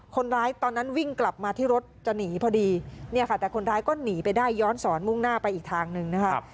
ตอนนั้นวิ่งกลับมาที่รถจะหนีพอดีเนี่ยค่ะแต่คนร้ายก็หนีไปได้ย้อนสอนมุ่งหน้าไปอีกทางหนึ่งนะคะ